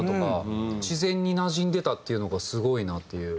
自然になじんでたっていうのがすごいなっていう。